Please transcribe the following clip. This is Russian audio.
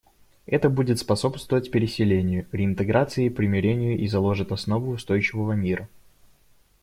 Это будет способствовать переселению, реинтеграции и примирению и заложит основы устойчивого мира.